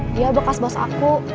dia bekas bos aku